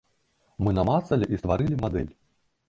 Мы намацалі і стварылі мадэль.